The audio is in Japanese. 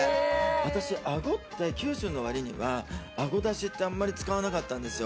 私、あごって、九州の割にはあごだしってあんまり使わなかったんですよ。